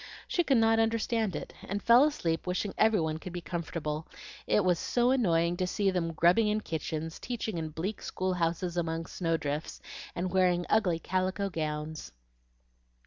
She could not understand it, and fell asleep wishing every one could be comfortable, it was so annoying to see them grubbing in kitchens, teaching in bleak school houses among snow drifts, and wearing ugly calico gowns.